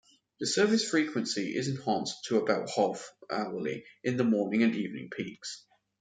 The service frequency is enhanced to about half-hourly in the morning and evening peaks.